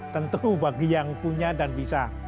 tentu bagi yang punya dan bisa